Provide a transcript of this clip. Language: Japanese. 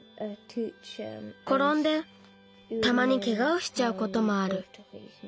ころんでたまにケガをしちゃうこともある。